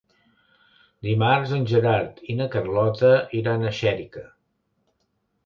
Dimarts en Gerard i na Carlota iran a Xèrica.